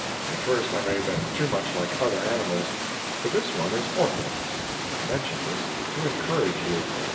At first I made them too much like other animals, but this one is orthodox. I mention this to encourage you.